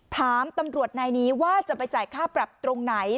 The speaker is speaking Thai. ถามตำรวจนายนี้ว่าจะไปจ่ายค่าปรับตรงไหน